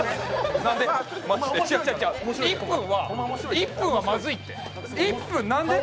１分はまずいって。